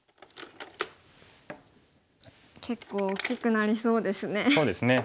結構大きくなりそうですね。